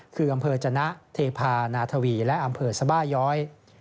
คืออำเภอจนะเทพานาทวีและอำเภอสบาย้อย